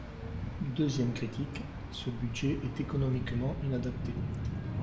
Deuxième critique, ce budget est économiquement inadapté.